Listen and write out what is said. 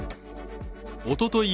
おととい